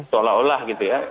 seolah olah gitu ya